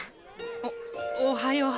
おっおはよう。